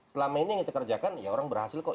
selama ini yang kita kerjakan ya orang berhasil kok